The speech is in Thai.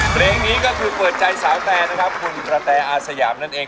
เพลงนี้ก็คือเปิดใจสาวแตนะครับคุณกระแตอาสยามนั่นเอง